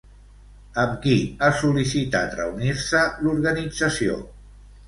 Amb qui ha sol·licitat reunir-se l'organització?